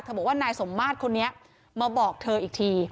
บอกว่านายสมมาตรคนนี้มาบอกเธออีกที